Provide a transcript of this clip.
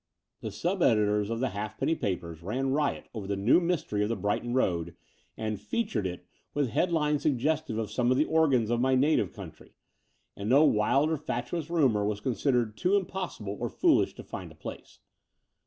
The sub editors of the halfpenny papers ran riot over the new mystery of the Brighton Road, and "featured" it with headlines suggestive of some of the organs of my native country : and no wild or fatuous rumour was considered too im possible or foolish to find a place.